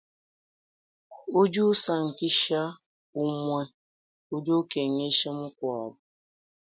Udi usankisha, umue udikengesha mukuabu.